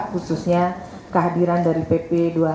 khususnya kehadiran dari pp dua puluh satu dua ribu dua puluh empat